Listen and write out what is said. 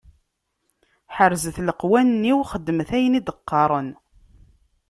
Ḥerzet leqwanen-iw, xeddmet ayen i d-qqaren.